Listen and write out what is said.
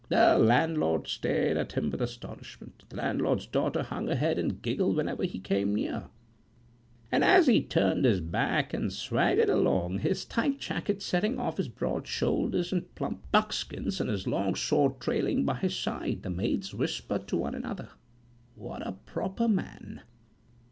The landlord stared at him with astonishment; the landlord's daughter hung her head and giggled whenever he came near; and as he turned his back and swaggered along, his tight jacket setting off his broad shoulders and plump buckskins, and his long sword trailing by his side, the maids whispered to one another "What a proper man!"